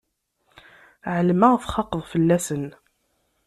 Ԑelmeɣ txaqeḍ fell-asen.